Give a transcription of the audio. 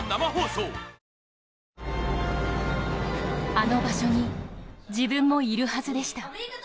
あの場所に自分もいるはずでした。